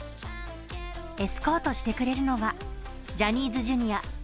エスコートしてくれるのはジャニーズＪｒ．７